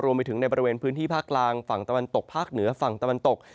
รวมไปถึงในบริเวณพื้นที่ภาคกลางฝั่งตะวันตกภาคเหนือฝั่งตะวันตก